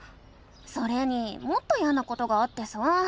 それにもっといやなことがあってさ。